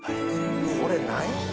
これ何や。